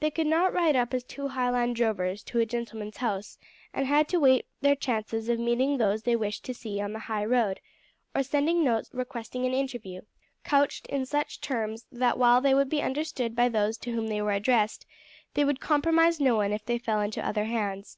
They could not ride up as two Highland drovers to a gentleman's house, and had to wait their chances of meeting those they wished to see on the high road, or of sending notes requesting an interview, couched in such terms that while they would be understood by those to whom they were addressed they would compromise no one if they fell into other hands.